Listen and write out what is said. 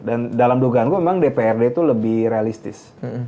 dan dalam dugaan gue memang dprd itu lebih realistis